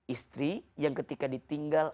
istri yang ketika ditinggal